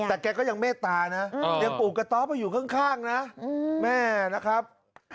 แต่แกก็ยังเมตตานะยังปลูกกระต๊อบไปอยู่ข้างนะแม่นะครับ